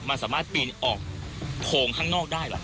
มันสามารถปีนออกโพงข้างนอกได้เหรอ